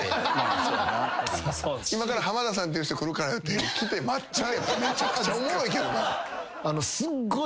今から浜田さんっていう人来るからって来て松ちゃんやったらめちゃくちゃおもろいけどな。